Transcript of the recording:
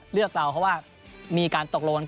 เลือกเราเพราะว่ามีการตกลง